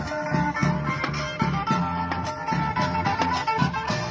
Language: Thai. สวัสดีครับทุกคน